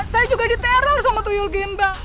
saya juga diterol sama tujuan gimbal